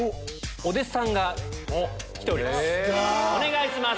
お願いします。